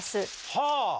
はあ！